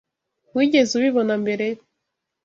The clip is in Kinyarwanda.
Wigeze ubibona mbere?